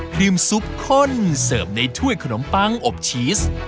รีมซุปข้นเสิร์ฟในถ้วยขนมปังอบชีส